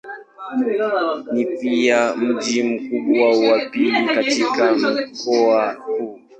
Ni pia mji mkubwa wa pili katika mkoa huu.